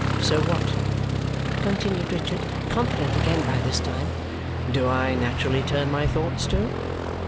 So what," continued Richard, confident again by this time, "do I naturally turn my thoughts to?"